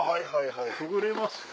くぐれます？